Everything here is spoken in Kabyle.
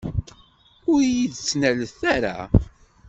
Ur iyi-d-ttnalet ara!